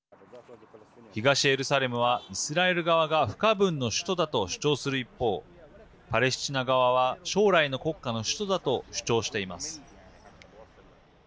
東エルサレムはイスラエル側が不可分の首都だと主張する一方パレスチナ側は将来の国家の首都だと主張しています。